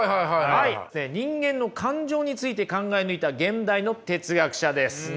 人間の感情について考え抜いた現代の哲学者です。